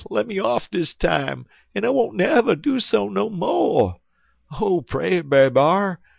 Lemme off dis time, en I won't never do so no mo'. Oh, pray, Brer B'ar!